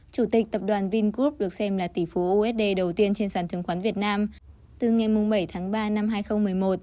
chủ tịch tập đoàn vingroup được xem là tỷ phú usd đầu tiên trên sàn chứng khoán việt nam từ ngày bảy tháng ba năm hai nghìn một mươi một